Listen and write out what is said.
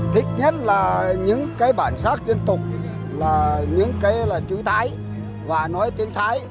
thích nhất là những cái bản sắc dân tộc là những cái là chữ tái và nói tiếng thái